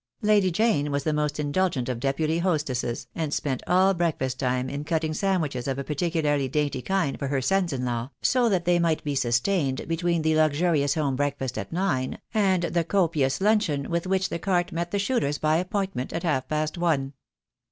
Lady Jane was the most indulgent of deputy hostesses, and spent all break fast time in cutting sandwiches of a particularly dainty kind for her sons in law, so that they might be sustained between the luxurious home breakfast at nine, and the copious luncheon with which the cart met the shooters by appointment at half past one.